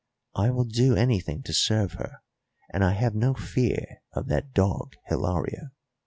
I will do anything to serve her, and I have no fear of that dog Hilario.